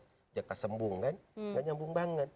nggak nyambung kan nggak nyambung banget